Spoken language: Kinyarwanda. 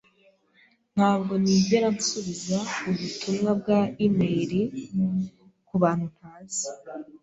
Ntabwo nigera nsubiza ubutumwa bwa imeri kubantu ntazi.